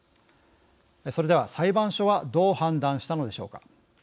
それでは裁判所はどう判断したのでしょうか。